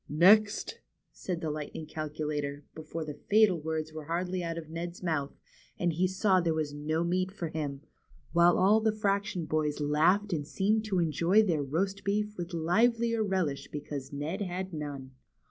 Next !'' said the Lightning Calculator, before the fatal words were hardly out of Ned's mouth, and he saw there was no meat for him, while all the fraction boys laughed and seemed to enjoy their roast beef with livelier relish because Ned had none.